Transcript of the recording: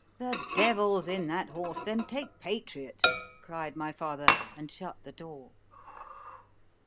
——The devil's in that horse; then take PATRIOT, cried my father, and shut the door.